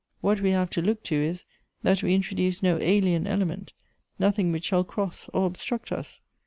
What we have to look to is, that we introduce no alien element, nothing which shall cross or obstruct us.